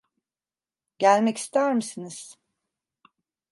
Gelmek ister misiniz?